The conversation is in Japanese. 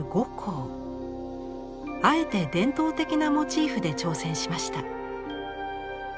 あえて伝統的なモチーフで挑戦しました。